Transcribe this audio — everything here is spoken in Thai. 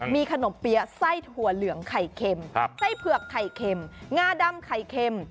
มีขนมเปี๊ยะไส้ถั่วเหลืองไข่เค็มไส้เผือกไข่เค็มงาดำไข่เค็ม